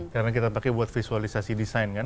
karena kita pakai buat visualisasi desain kan